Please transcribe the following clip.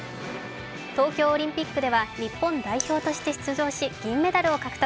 東京オリンピックでは日本代表として出場し、銀メダルを獲得。